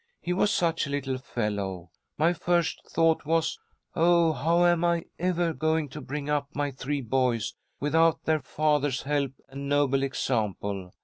He was such a little fellow. My first thought was, 'Oh, how am I ever going to bring up my three boys without their father's help and noble example!'